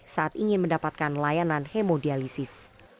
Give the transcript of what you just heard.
saat ingin mendapatkan layanan hemodialisis